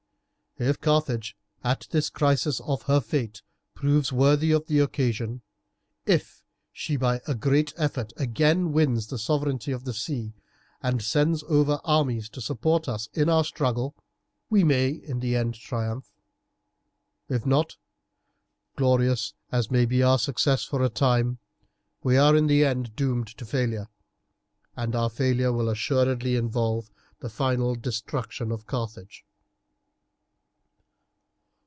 If Carthage at this crisis of her fate proves worthy of the occasion, if she by a great effort again wins the sovereignty of the sea, and sends over armies to support us in our struggle, we may in the end triumph. If not, glorious as may be our success for a time, we are in the end doomed to failure, and our failure will assuredly involve the final destruction of Carthage.